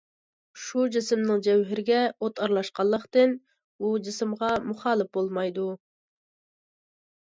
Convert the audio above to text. شۇ جىسىمنىڭ جەۋھىرىگە ئوت ئارىلاشقانلىقتىن، ئۇ جىسىمغا مۇخالىپ بولمايدۇ.